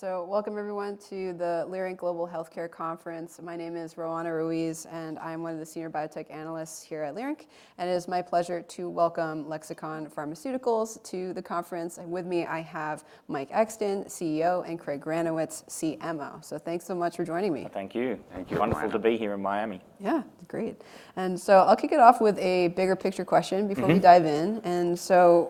Welcome everyone to the Leerink Global Healthcare Conference. My name is Roanna Ruiz, and I'm one of the senior biotech analysts here at Leerink, and it is my pleasure to welcome Lexicon Pharmaceuticals to the conference. With me, I have Mike Exton, CEO, and Craig Granowitz, CMO. Thanks so much for joining me. Thank you. Thank you. Wonderful to be here in Miami. Yeah, great. I'll kick it off with a bigger picture question before- Mm-hmm... we dive in.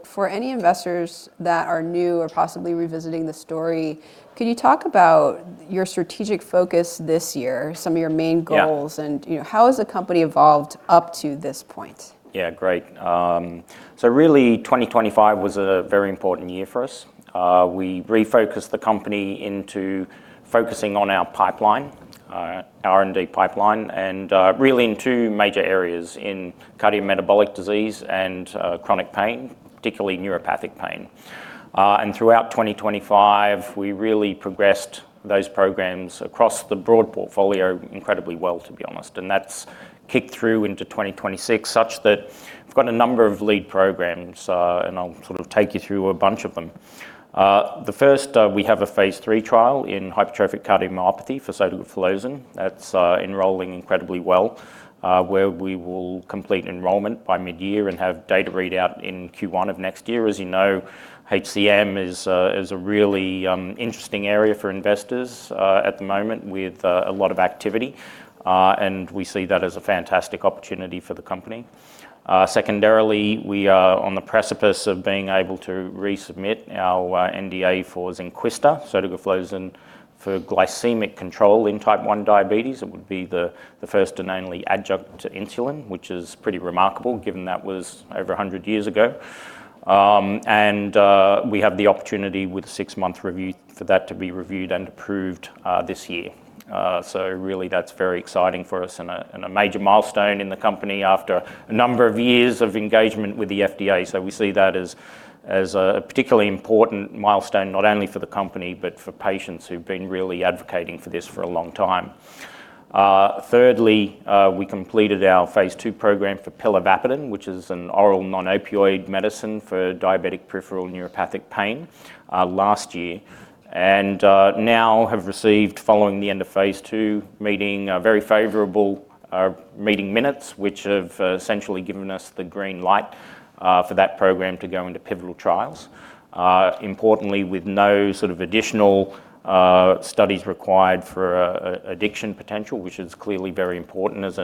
For any investors that are new or possibly revisiting the story, could you talk about your strategic focus this year, some of your main goals? Yeah. You know, how has the company evolved up to this point? Yeah, great. So really, 2025 was a very important year for us. We refocused the company into focusing on our pipeline, our R&D pipeline, and really in two major areas, in cardiometabolic disease and chronic pain, particularly neuropathic pain. Throughout 2025, we really progressed those programs across the broad portfolio incredibly well, to be honest. That's kicked through into 2026 such that we've got a number of lead programs, and I'll sort of take you through a bunch of them. The first, we have a Phase 3 trial in hypertrophic cardiomyopathy for sotagliflozin, that's enrolling incredibly well, where we will complete enrollment by midyear and have data readout in Q1 of next year. As you know, HCM is a really interesting area for investors at the moment with a lot of activity, and we see that as a fantastic opportunity for the company. Secondarily, we are on the precipice of being able to resubmit our NDA for Zynquista, sotagliflozin, for glycemic control type 1 diabetes. It would be the first non-insulin adjunct to insulin, which is pretty remarkable given that was over 100 years ago. We have the opportunity with a six-month review for that to be reviewed and approved this year. Really that's very exciting for us and a major milestone in the company after a number of years of engagement with the FDA. We see that as a particularly important milestone, not only for the company, but for patients who've been really advocating for this for a long time. Thirdly, we completed our Phase 2 program for pilavapadin, which is an oral non-opioid medicine for diabetic peripheral neuropathic pain, last year. Now we have received following the end of Phase 2 meeting, a very favorable meeting minutes, which have essentially given us the green light for that program to go into pivotal trials. Importantly, with no sort of additional studies required for addiction potential, which is clearly very important as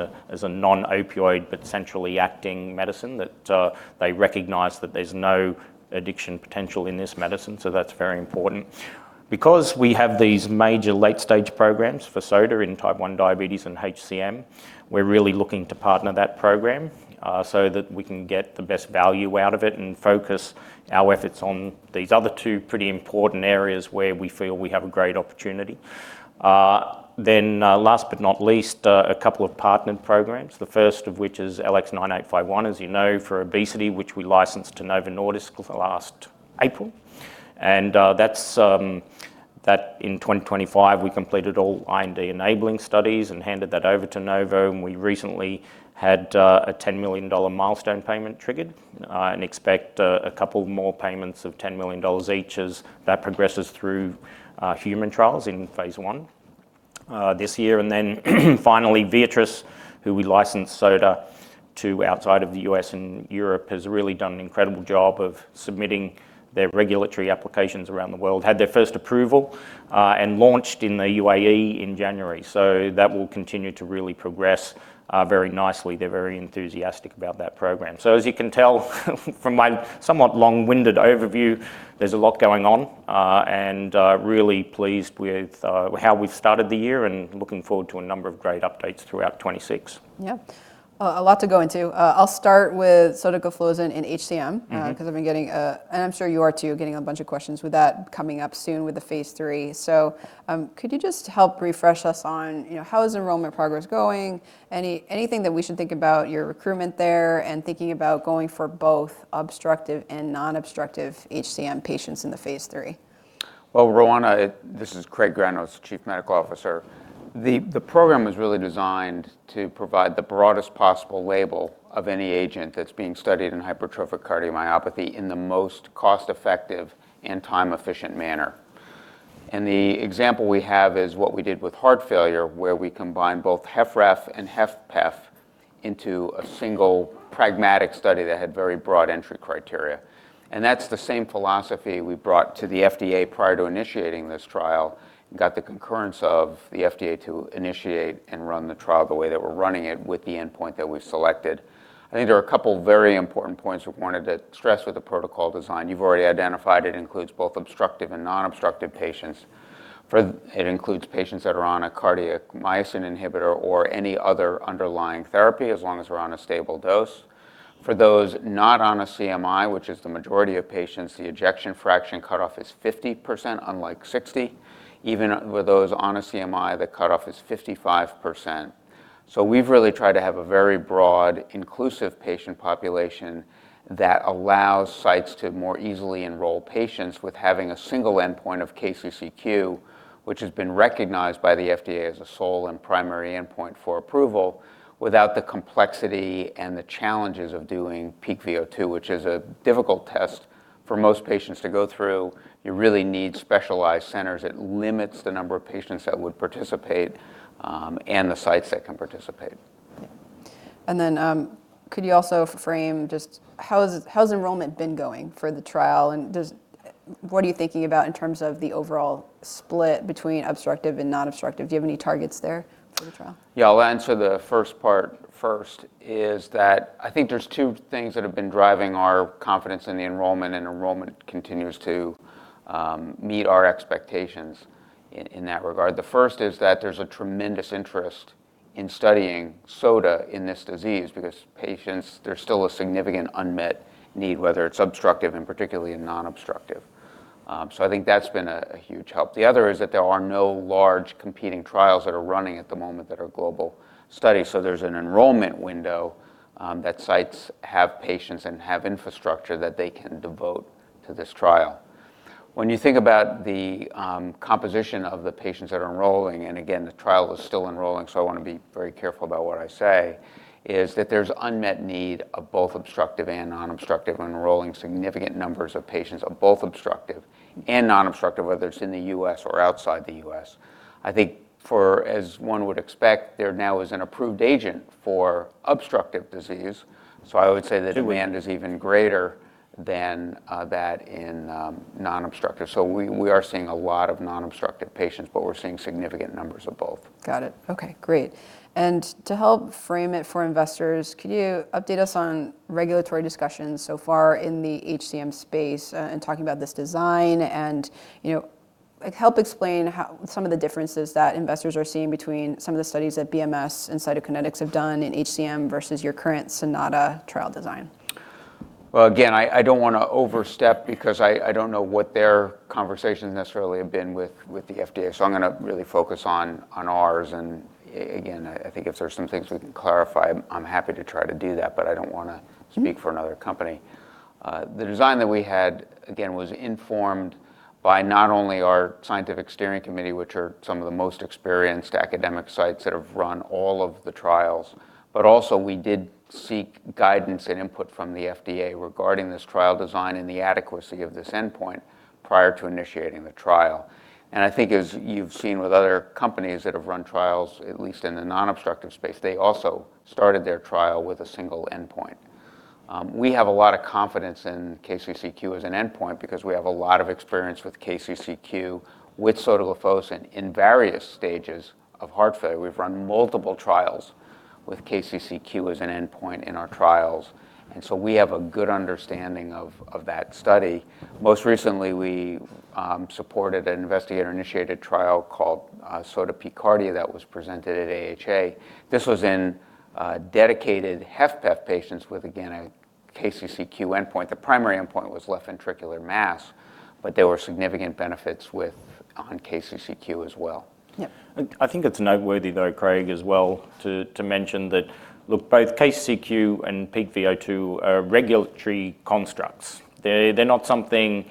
a non-opioid, but centrally acting medicine that they recognize that there's no addiction potential in this medicine, so that's very important. Because we have these major late-stage programs for sotagliflozin type 1 diabetes and HCM, we're really looking to partner that program so that we can get the best value out of it and focus our efforts on these other two pretty important areas where we feel we have a great opportunity. Last but not least, a couple of partnered programs, the first of which is LX9851, as you know, for obesity, which we licensed to Novo Nordisk last April. That's, in 2025, we completed all IND-enabling studies and handed that over to Novo, and we recently had a $10 million milestone payment triggered, and expect a couple more payments of $10 million each as that progresses through human trials in Phase 1 this year. Finally, Viatris, who we licensed sotagliflozin to outside of the U.S. and Europe, has really done an incredible job of submitting their regulatory applications around the world. Had their first approval and launched in the UAE in January. That will continue to really progress very nicely. They're very enthusiastic about that program. As you can tell from my somewhat long-winded overview, there's a lot going on, and really pleased with how we've started the year and looking forward to a number of great updates throughout 2026. Yeah. A lot to go into. I'll start with sotagliflozin and HCM. Mm-hmm 'Cause I've been getting, and I'm sure you are too, getting a bunch of questions with that coming up soon with the Phase 3. Could you just help refresh us on how is enrollment progress going? Anything that we should think about your recruitment there and thinking about going for both obstructive and non-obstructive HCM patients in the Phase 3? Well, Roanna, this is Craig Granowitz, Chief Medical Officer. The program is really designed to provide the broadest possible label of any agent that's being studied in hypertrophic cardiomyopathy in the most cost-effective and time-efficient manner. The example we have is what we did with heart failure, where we combined both HFrEF and HFpEF into a single pragmatic study that had very broad entry criteria. That's the same philosophy we brought to the FDA prior to initiating this trial, and got the concurrence of the FDA to initiate and run the trial the way that we're running it with the endpoint that we've selected. I think there are a couple of very important points we wanted to stress with the protocol design. You've already identified it includes both obstructive and non-obstructive patients. It includes patients that are on a cardiac myosin inhibitor or any other underlying therapy, as long as we're on a stable dose. For those not on a CMI, which is the majority of patients, the ejection fraction cutoff is 50%, unlike 60%. Even with those on a CMI, the cutoff is 55%. We've really tried to have a very broad, inclusive patient population that allows sites to more easily enroll patients with having a single endpoint of KCCQ, which has been recognized by the FDA as a sole and primary endpoint for approval without the complexity and the challenges of doing peak VO2, which is a difficult test for most patients to go through. You really need specialized centers. It limits the number of patients that would participate, and the sites that can participate. Could you also frame just how has enrollment been going for the trial? What are you thinking about in terms of the overall split between obstructive and non-obstructive? Do you have any targets there for the trial? Yeah. I'll answer the first part first, is that I think there's two things that have been driving our confidence in the enrollment, and enrollment continues to meet our expectations in that regard. The first is that there's a tremendous interest in studying sotagliflozin in this disease because patients, there's still a significant unmet need, whether it's obstructive and particularly in non-obstructive. So I think that's been a huge help. The other is that there are no large competing trials that are running at the moment that are global studies. So there's an enrollment window that sites have patients and have infrastructure that they can devote to this trial. When you think about the composition of the patients that are enrolling, and again, the trial is still enrolling, so I wanna be very careful about what I say, is that there's unmet need of both obstructive and non-obstructive. We're enrolling significant numbers of patients of both obstructive and non-obstructive, whether it's in the U.S. or outside the U.S. I think, as one would expect, there now is an approved agent for obstructive disease. I would say the demand is even greater than that in non-obstructive. We are seeing a lot of non-obstructive patients, but we're seeing significant numbers of both. Got it. Okay, great. To help frame it for investors, could you update us on regulatory discussions so far in the HCM space, in talking about this design and, you know, like, help explain how some of the differences that investors are seeing between some of the studies that BMS and Cytokinetics have done in HCM versus your current SONATA trial design? Well, again, I don't wanna overstep because I don't know what their conversations necessarily have been with the FDA. I'm gonna really focus on ours. Again, I think if there are some things we can clarify, I'm happy to try to do that, but I don't wanna speak for another company. The design that we had, again, was informed by not only our scientific steering committee, which are some of the most experienced academic sites that have run all of the trials, but also we did seek guidance and input from the FDA regarding this trial design and the adequacy of this endpoint prior to initiating the trial. I think as you've seen with other companies that have run trials, at least in the non-obstructive space, they also started their trial with a single endpoint. We have a lot of confidence in KCCQ as an endpoint because we have a lot of experience with KCCQ, with sotagliflozin in various stages of heart failure. We've run multiple trials with KCCQ as an endpoint in our trials, and so we have a good understanding of that study. Most recently, we supported an investigator-initiated trial called sotagliflozin-P-CARDIA that was presented at AHA. This was in dedicated HFpEF patients with, again, a KCCQ endpoint. The primary endpoint was left ventricular mass, but there were significant benefits on KCCQ as well. Yeah. I think it's noteworthy, though, Craig, as well to mention that, look, both KCCQ and peak VO2 are regulatory constructs. They're not something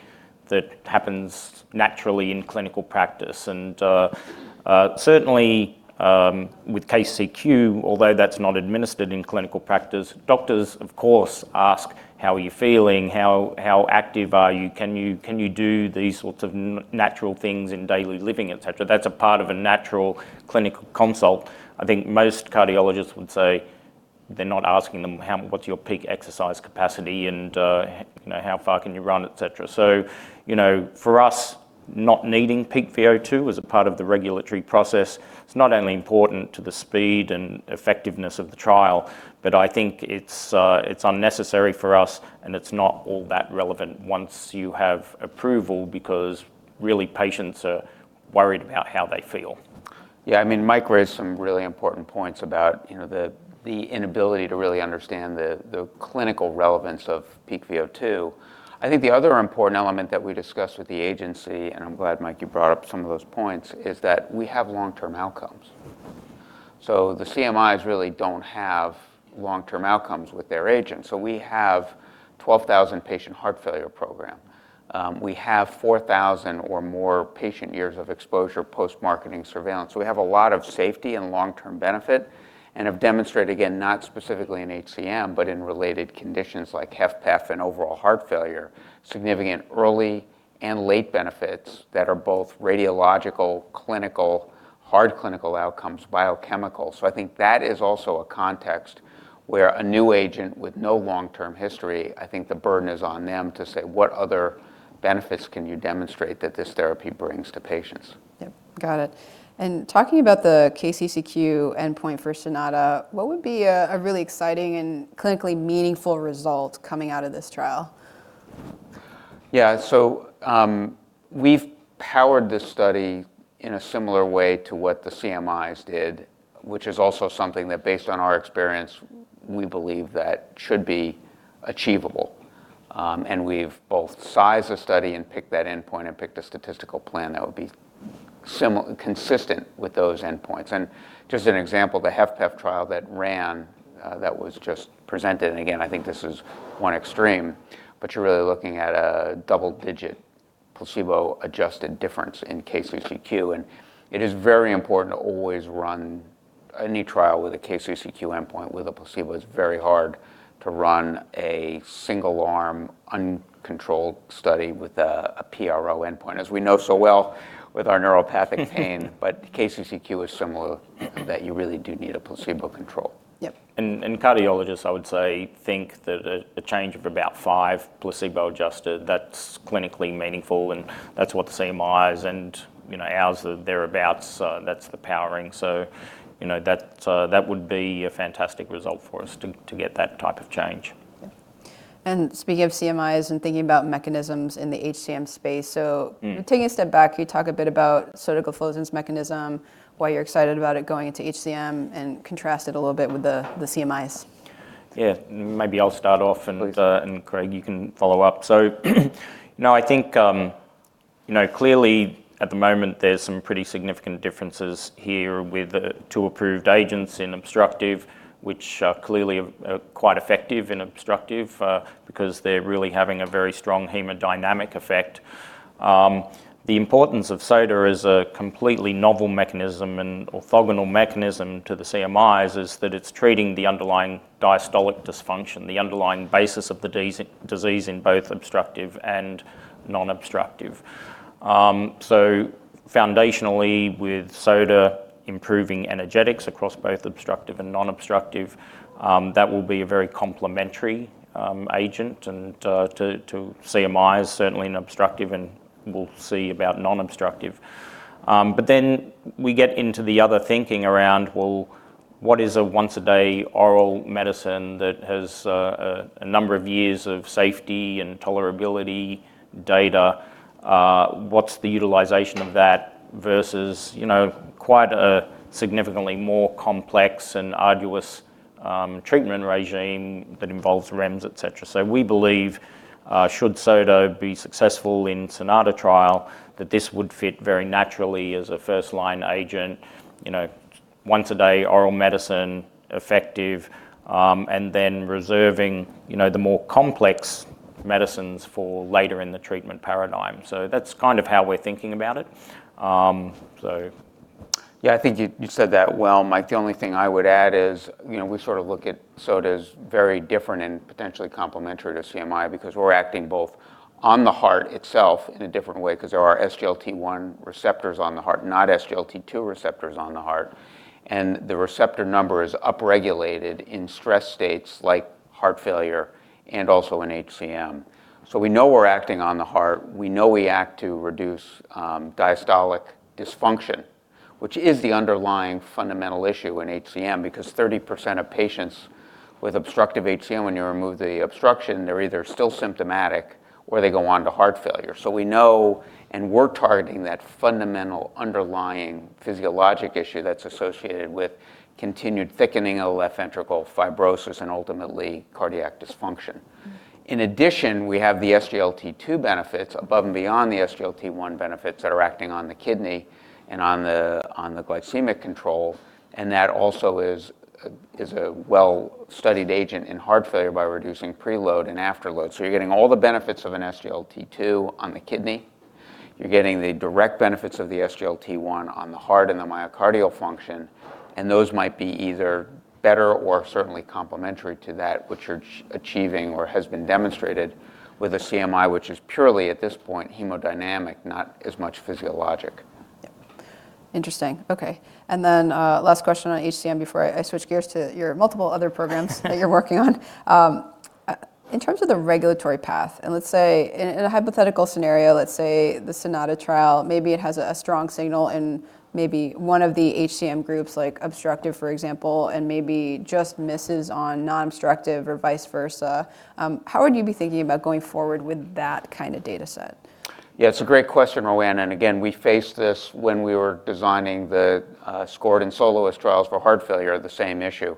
that happens naturally in clinical practice. Certainly, with KCCQ, although that's not administered in clinical practice, doctors, of course, ask, "How are you feeling? How active are you? Can you do these sorts of natural things in daily living, et cetera?" That's a part of a natural clinical consult. I think most cardiologists would say they're not asking them, "What's your peak exercise capacity and, you know, how far can you run, et cetera?" You know, for us, not needing peak VO2 as a part of the regulatory process, it's not only important to the speed and effectiveness of the trial, but I think it's unnecessary for us, and it's not all that relevant once you have approval because really patients are worried about how they feel. Yeah, I mean, Mike raised some really important points about, you know, the inability to really understand the clinical relevance of peak VO2. I think the other important element that we discussed with the agency, and I'm glad, Mike, you brought up some of those points, is that we have long-term outcomes. The CMIs really don't have long-term outcomes with their agents. We have 12,000-patient heart failure program. We have 4,000 or more patient years of exposure post-marketing surveillance. We have a lot of safety and long-term benefit and have demonstrated, again, not specifically in HCM, but in related conditions like HFpEF and overall heart failure, significant early and late benefits that are both radiological, clinical, hard clinical outcomes, biochemical. I think that is also a context where a new agent with no long-term history, I think the burden is on them to say, "What other benefits can you demonstrate that this therapy brings to patients? Yep. Got it. Talking about the KCCQ endpoint for SONATA, what would be a really exciting and clinically meaningful result coming out of this trial? Yeah. We've powered this study in a similar way to what the CMIs did, which is also something that based on our experience, we believe that should be achievable. We've both sized the study and picked that endpoint and picked a statistical plan that would be consistent with those endpoints. Just an example, the HFpEF trial that ran, that was just presented, and again, I think this is one extreme, but you're really looking at a double-digit placebo adjusted difference in KCCQ. It is very important to always run any trial with a KCCQ endpoint with a placebo. It's very hard to run a single-arm uncontrolled study with a PRO endpoint, as we know so well with our neuropathic pain. KCCQ is similar in that you really do need a placebo control. Yep. Cardiologists, I would say, think that a change of about five placebo-adjusted, that's clinically meaningful, and that's what CMI is and, you know, ours are thereabouts, so that's the powering. You know, that would be a fantastic result for us to get that type of change. Speaking of CMIs and thinking about mechanisms in the HCM space. Mm. Taking a step back, could you talk a bit about sotagliflozin's mechanism, why you're excited about it going into HCM, and contrast it a little bit with the CMIs? Yeah. Maybe I'll start off. Please Craig, you can follow up. You know, I think, you know, clearly at the moment, there's some pretty significant differences here with two approved agents in obstructive, which are clearly quite effective in obstructive, because they're really having a very strong hemodynamic effect. The importance of sotagliflozin is a completely novel mechanism and orthogonal mechanism to the CMIs, is that it's treating the underlying diastolic dysfunction, the underlying basis of the disease in both obstructive and non-obstructive. Foundationally, with sotagliflozin improving energetics across both obstructive and non-obstructive, that will be a very complementary agent to CMIs, certainly in obstructive and we'll see about non-obstructive. We get into the other thinking around, well, what is a once a day oral medicine that has a number of years of safety and tolerability data? What's the utilization of that versus, you know, quite a significantly more complex and arduous treatment regime that involves REMS, et cetera. We believe should sotagliflozin be successful in SONATA trial, that this would fit very naturally as a first-line agent, you know, once a day oral medicine effective, and then reserving, you know, the more complex medicines for later in the treatment paradigm. That's kind of how we're thinking about it. Yeah, I think you said that well. The only thing I would add is, you know, we sort of look at sotagliflozin as very different and potentially complementary to CMI because we're acting both on the heart itself in a different way because there are SGLT1 receptors on the heart, not SGLT2 receptors on the heart. The receptor number is upregulated in stress states like heart failure and also in HCM. We know we're acting on the heart. We know we act to reduce diastolic dysfunction, which is the underlying fundamental issue in HCM because 30% of patients with obstructive HCM, when you remove the obstruction, they're either still symptomatic or they go on to heart failure. We know and we're targeting that fundamental underlying physiologic issue that's associated with continued thickening of the left ventricle fibrosis and ultimately cardiac dysfunction. Mm-hmm. In addition, we have the SGLT2 benefits above and beyond the SGLT1 benefits that are acting on the kidney and on the glycemic control, and that also is a well-studied agent in heart failure by reducing preload and afterload. You're getting all the benefits of an SGLT2 on the kidney. You're getting the direct benefits of the SGLT1 on the heart and the myocardial function, and those might be either better or certainly complementary to that which you're achieving or has been demonstrated with a CMI, which is purely, at this point, hemodynamic, not as much physiologic. Yep. Interesting. Okay. Last question on HCM before I switch gears to your multiple other programs that you're working on. In terms of the regulatory path, let's say in a hypothetical scenario, let's say the SONATA trial, maybe it has a strong signal in maybe one of the HCM groups, like obstructive, for example, and maybe just misses on non-obstructive or vice versa. How would you be thinking about going forward with that kind of data set? Yeah, it's a great question, Roanna. Again, we faced this when we were designing the SCORED and SOLOIST-WHF trials for heart failure, the same issue.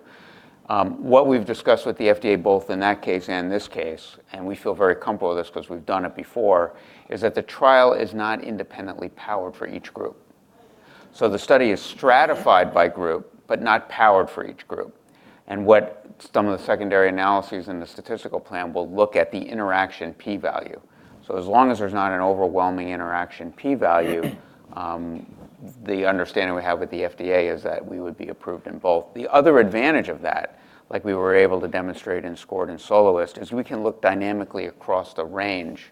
What we've discussed with the FDA both in that case and in this case, and we feel very comfortable with this because we've done it before, is that the trial is not independently powered for each group. The study is stratified by group, but not powered for each group. What some of the secondary analyses in the statistical plan will look at the interaction p-value. As long as there's not an overwhelming interaction p-value, the understanding we have with the FDA is that we would be approved in both. The other advantage of that, like we were able to demonstrate in SCORED and SOLOIST-WHF, is we can look dynamically across the range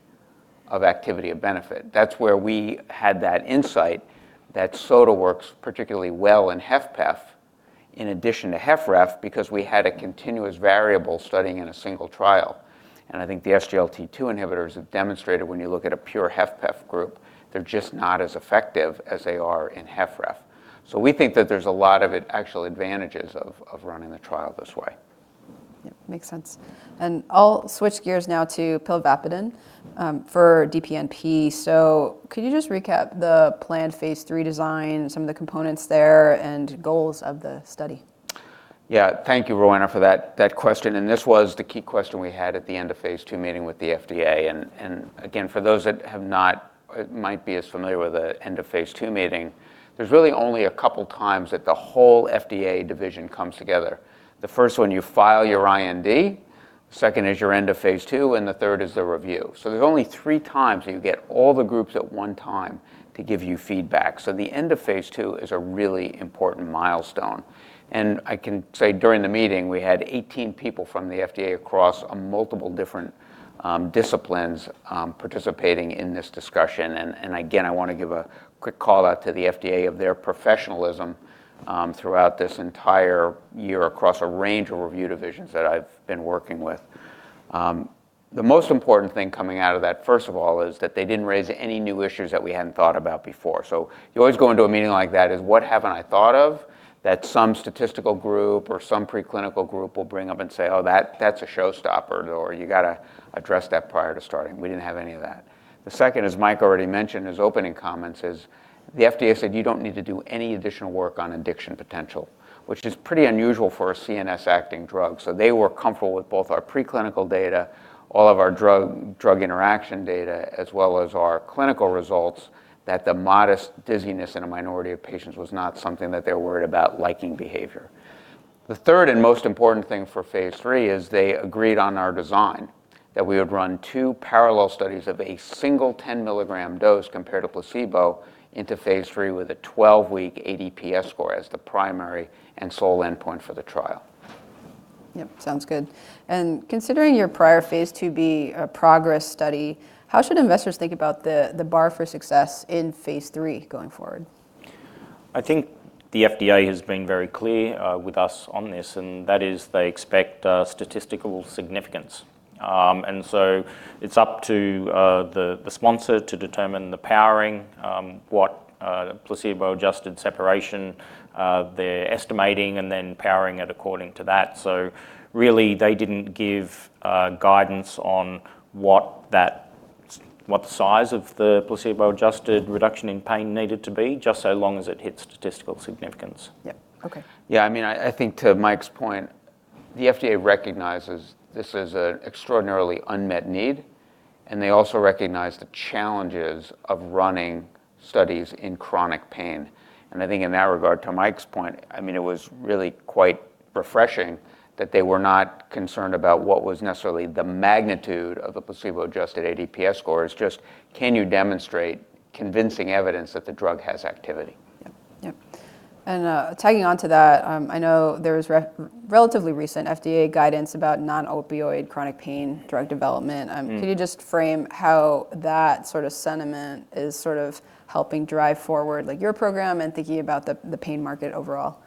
of activity of benefit. That's where we had that insight that sotagliflozin works particularly well in HFpEF in addition to HFrEF because we had a continuous variable studying in a single trial. I think the SGLT2 inhibitors have demonstrated when you look at a pure HFpEF group, they're just not as effective as they are in HFrEF. We think that there's a lot of actual advantages of running the trial this way. Yep, makes sense. I'll switch gears now to pilavapadin for DPNP. Could you just recap the planned Phase 3 design, some of the components there, and goals of the study? Yeah. Thank you, Roanna, for that question, and this was the key question we had at the end of Phase 2 meeting with the FDA. Again, for those that might not be as familiar with the end of Phase 2 meeting, there's really only a couple times that the whole FDA division comes together. The first one, you file your IND, second is your end of Phase 2, and the third is the review. There's only three times you get all the groups at one time to give you feedback. The end of Phase 2 is a really important milestone. I can say during the meeting, we had 18 people from the FDA across multiple different disciplines participating in this discussion. Again, I wanna give a quick call-out to the FDA of their professionalism throughout this entire year across a range of review divisions that I've been working with. The most important thing coming out of that, first of all, is that they didn't raise any new issues that we hadn't thought about before. You always go into a meeting like that as, "What haven't I thought of?" That some statistical group or some preclinical group will bring up and say, "Oh, that's a showstopper," or, "You gotta address that prior to starting." We didn't have any of that. The second, as Mike already mentioned his opening comments, is the FDA said you don't need to do any additional work on addiction potential, which is pretty unusual for a CNS acting drug. They were comfortable with both our preclinical data, all of our drug-drug interaction data, as well as our clinical results, that the modest dizziness in a minority of patients was not something that they're worried about like behavioral. The third and most important thing for Phase 3 is they agreed on our design, that we would run two parallel studies of a single 10-milligram dose compared to placebo in Phase 3 with a 12-week ADPS score as the primary and sole endpoint for the trial. Yep, sounds good. Considering your prior Phase 2b PROGRESS study, how should investors think about the bar for success in Phase 3 going forward? I think the FDA has been very clear with us on this, and that is they expect statistical significance. It's up to the sponsor to determine the powering, what placebo-adjusted separation they're estimating, and then powering it according to that. Really, they didn't give guidance on what the size of the placebo-adjusted reduction in pain needed to be, just so long as it hit statistical significance. Yep. Okay. Yeah, I mean, I think to Mike's point, the FDA recognizes this is an extraordinarily unmet need, and they also recognize the challenges of running studies in chronic pain. I think in that regard, to Mike's point, I mean, it was really quite refreshing that they were not concerned about what was necessarily the magnitude of the placebo-adjusted ADPS scores, just can you demonstrate convincing evidence that the drug has activity? Yep. Tagging on to that, I know there's relatively recent FDA guidance about non-opioid chronic pain drug development. Mm. Can you just frame how that sort of sentiment is sort of helping drive forward, like, your program and thinking about the pain market overall?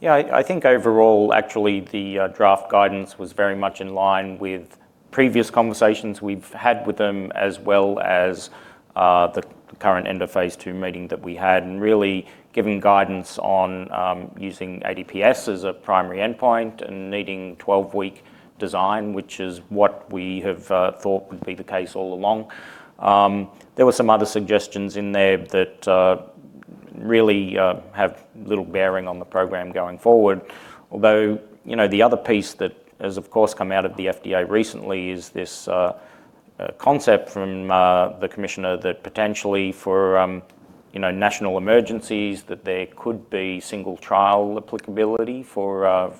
Yeah, I think overall, actually, the draft guidance was very much in line with previous conversations we've had with them as well as the current end of Phase 2 meeting that we had, and really giving guidance on using ADPS as a primary endpoint and needing 12-week design, which is what we have thought would be the case all along. There were some other suggestions in there that really have little bearing on the program going forward. Although, you know, the other piece that has of course come out of the FDA recently is this concept from the commissioner that potentially for you know national emergencies, that there could be single trial applicability for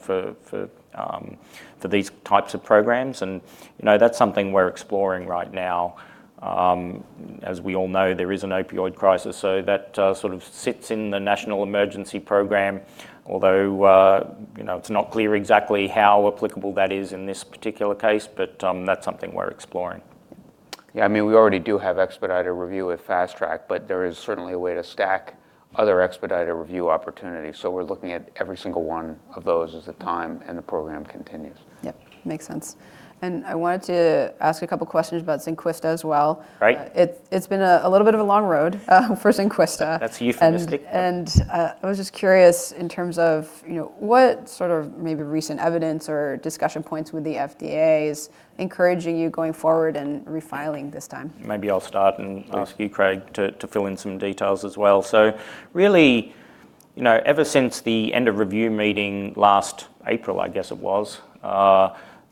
these types of programs. You know, that's something we're exploring right now. As we all know, there is an opioid crisis, so that sort of sits in the national emergency program. Although, you know, it's not clear exactly how applicable that is in this particular case, but that's something we're exploring. Yeah, I mean, we already do have expedited review with Fast Track, but there is certainly a way to stack other expedited review opportunities. We're looking at every single one of those as the time and the program continues. Yep. Makes sense. I wanted to ask a couple questions about Zynquista as well. Right. It's been a little bit of a long road for Zynquista. That's euphemistic. I was just curious in terms of, you know, what sort of maybe recent evidence or discussion points with the FDA is encouraging you going forward and refiling this time? Maybe I'll start and ask you, Craig, to fill in some details as well. Really, you know, ever since the end of review meeting last April, I guess it was,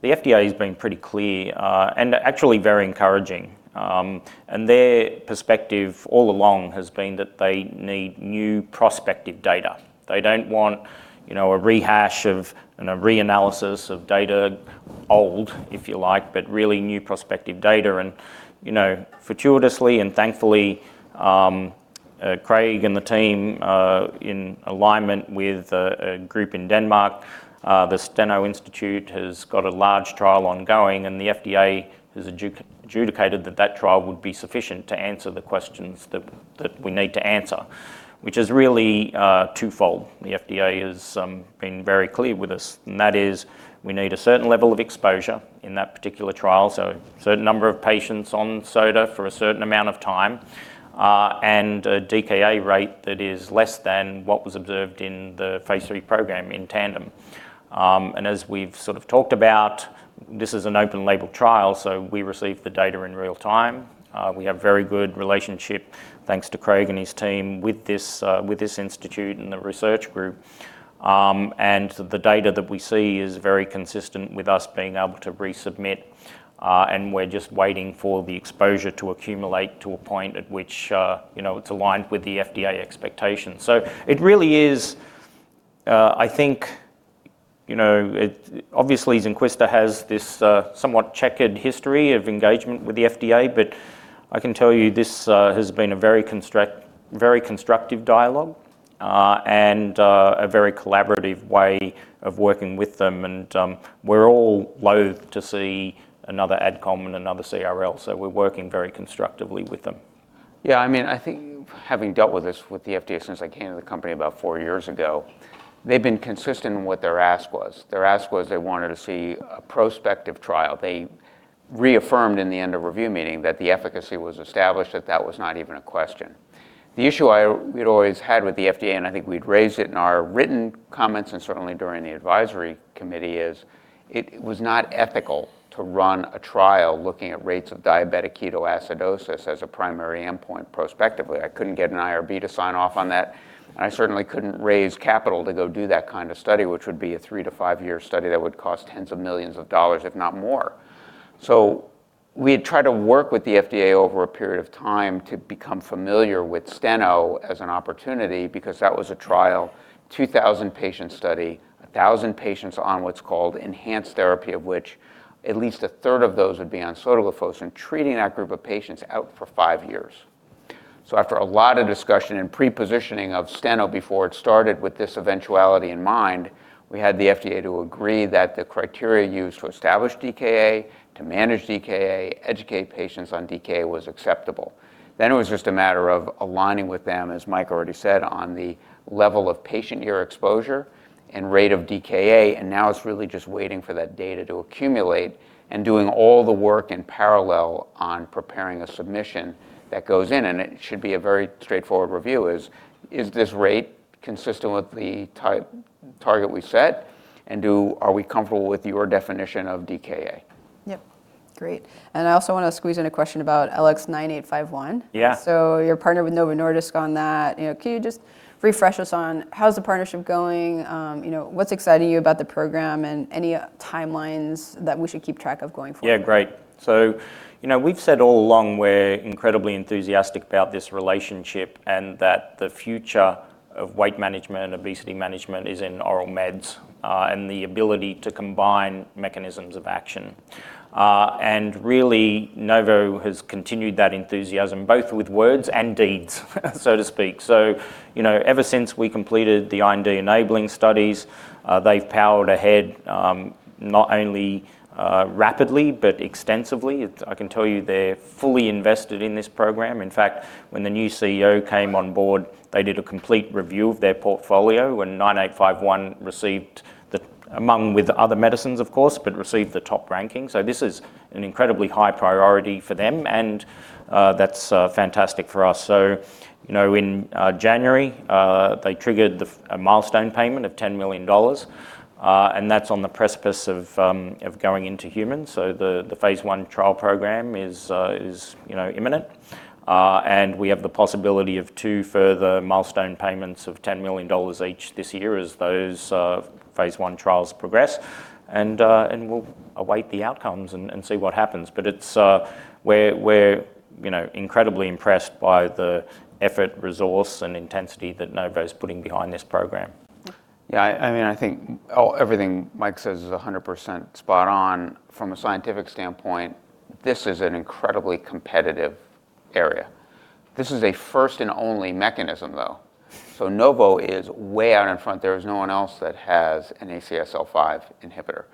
the FDA has been pretty clear and actually very encouraging. Their perspective all along has been that they need new prospective data. They don't want, you know, a rehash of and a reanalysis of data, old, if you like, but really new prospective data. You know, fortuitously and thankfully, Craig and the team in alignment with a group in Denmark, the Steno Diabetes Center has got a large trial ongoing, and the FDA has adjudicated that that trial would be sufficient to answer the questions that we need to answer, which is really twofold. The FDA has been very clear with us, and that is we need a certain level of exposure in that particular trial, so a certain number of patients on sotagliflozin for a certain amount of time, and a DKA rate that is less than what was observed in the phase III program in tandem. As we've sort of talked about, this is an open label trial, so we receive the data in real time. We have very good relationship, thanks to Craig and his team, with this institute and the research group. The data that we see is very consistent with us being able to resubmit, and we're just waiting for the exposure to accumulate to a point at which, you know, it's aligned with the FDA expectations. It really is, I think, you know, obviously Zynquista has this, somewhat checkered history of engagement with the FDA, but I can tell you this has been a very constructive dialogue, and a very collaborative way of working with them. We're all loath to see another adcomm and another CRL, so we're working very constructively with them. Yeah, I mean, I think having dealt with this with the FDA since I came to the company about four years ago, they've been consistent in what their ask was. Their ask was they wanted to see a prospective trial. They reaffirmed in the end of review meeting that the efficacy was established, that that was not even a question. The issue we'd always had with the FDA, and I think we'd raised it in our written comments and certainly during the advisory committee, is it was not ethical to run a trial looking at rates of diabetic ketoacidosis as a primary endpoint prospectively. I couldn't get an IRB to sign off on that, and I certainly couldn't raise capital to go do that kind of study, which would be a three-to-five-year study that would cost tens of millions of dollars, if not more. We had tried to work with the FDA over a period of time to become familiar with Steno as an opportunity because that was a trial, 2,000-patient study, 1,000 patients on what's called enhanced therapy, of which at least a third of those would be on sotagliflozin, treating that group of patients out for five years. After a lot of discussion and pre-positioning of Steno before it started with this eventuality in mind, we had the FDA to agree that the criteria used for established DKA, to manage DKA, educate patients on DKA was acceptable. It was just a matter of aligning with them, as Mike already said, on the level of patient year exposure and rate of DKA, and now it's really just waiting for that data to accumulate and doing all the work in parallel on preparing a submission that goes in, and it should be a very straightforward review. Is this rate consistent with the target we set? And are we comfortable with your definition of DKA? Yep. Great. I also wanna squeeze in a question about LX9851. Yeah. You're partnered with Novo Nordisk on that. You know, can you just refresh us on how's the partnership going? You know, what's exciting you about the program? Any timelines that we should keep track of going forward? Yeah, great. You know, we've said all along we're incredibly enthusiastic about this relationship and that the future of weight management and obesity management is in oral meds, and the ability to combine mechanisms of action. Really, Novo has continued that enthusiasm both with words and deeds so to speak. You know, ever since we completed the IND-enabling studies, they've powered ahead, not only rapidly but extensively. I can tell you they're fully invested in this program. In fact, when the new CEO came on board, they did a complete review of their portfolio, and LX9851 received the top ranking among other medicines of course, but received the top ranking. This is an incredibly high priority for them and, that's fantastic for us. You know, in January, they triggered a milestone payment of $10 million, and that's on the precipice of going into humans. The phase one trial program is imminent. We have the possibility of two further milestone payments of $10 million each this year as those Phase 1 trials progress. We'll await the outcomes and see what happens. We're incredibly impressed by the effort, resource, and intensity that Novo's putting behind this program. Yeah. Yeah, I mean, I think everything Mike says is 100% spot on. From a scientific standpoint, this is an incredibly competitive area. This is a first and only mechanism, though. Novo is way out in front. There is no one else that has an ACSL5 inhibitor,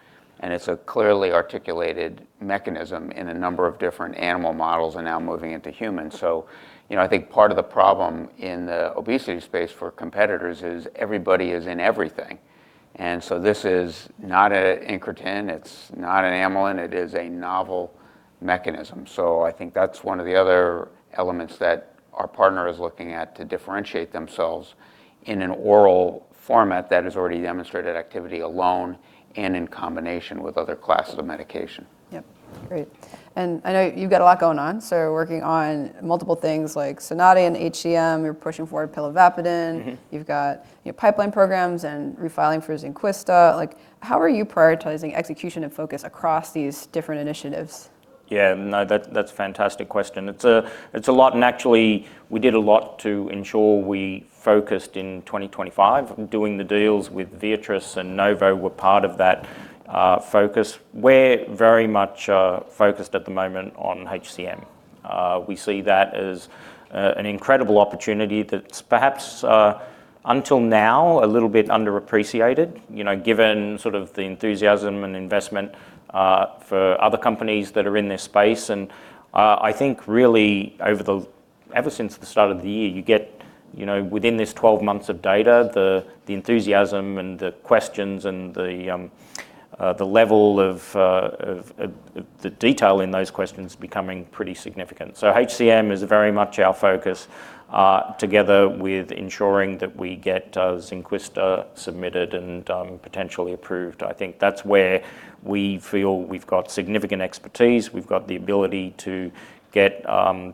and it's a clearly articulated mechanism in a number of different animal models and now moving into humans. You know, I think part of the problem in the obesity space for competitors is everybody is in everything. This is not an incretin, it's not an amylin, it is a novel mechanism. I think that's one of the other elements that our partner is looking at to differentiate themselves in an oral format that has already demonstrated activity alone and in combination with other classes of medication. Yep. Great. I know you've got a lot going on, so working on multiple things like SONATA and HCM, you're pushing forward pilavapadin. Mm-hmm. You've got your pipeline programs and refiling for Zynquista. Like, how are you prioritizing execution and focus across these different initiatives? Yeah, no, that's a fantastic question. It's a lot, and actually we did a lot to ensure we focused in 2025. Doing the deals with Viatris and Novo were part of that focus. We're very much focused at the moment on HCM. We see that as an incredible opportunity that's perhaps, until now, a little bit underappreciated, you know, given sort of the enthusiasm and investment for other companies that are in this space. I think really ever since the start of the year, you get, you know, within this 12 months of data, the enthusiasm and the questions and the level of the detail in those questions becoming pretty significant. HCM is very much our focus, together with ensuring that we get Zynquista submitted and potentially approved. I think that's where we feel we've got significant expertise. We've got the ability to get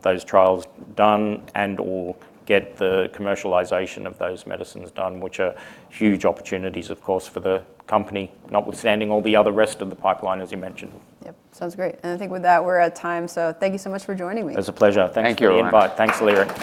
those trials done and or get the commercialization of those medicines done, which are huge opportunities of course for the company, notwithstanding all the other rest of the pipeline, as you mentioned. Yep. Sounds great. I think with that, we're at time, so thank you so much for joining me. It was a pleasure. Thank you. Thanks for the invite. Thanks, Leerink.